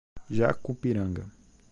Jacupiranga